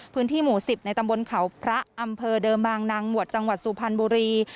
พื้นที่หมู่๑๐ในตำบลเขาพระอำเภอเดิมบางนางหมวดจังหวัดสุพรรณบุรี